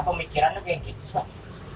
kamu mikirannya kayak gitu pak